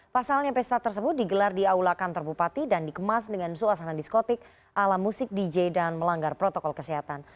pasalnya pesta tersebut digelar di aula kantor bupati dan dikemas dengan suasana diskotik ala musik dj dan melanggar protokol kesehatan